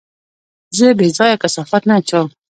زه بېځايه کثافات نه اچوم.